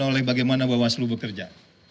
oleh bagaimana bawaslu bekerja